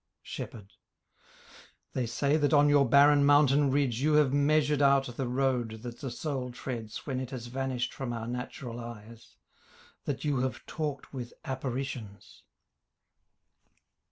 SHEPHERD They say that on your barren mountain ridge You have measured out the road that the soul treads When it has vanished from our natural eyes; That you have talked with apparitions.